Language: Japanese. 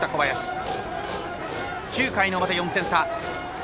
９回の表、４点差。